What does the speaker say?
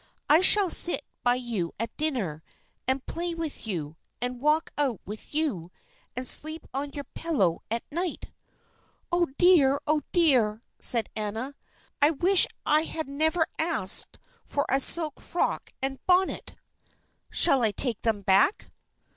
I shall sit by you at dinner, and play with you, and walk out with you, and sleep on your pillow at night." "Oh dear! oh dear!" said Anna; "I wish I had never asked for a silk frock and bonnet." "Shall I take them back?"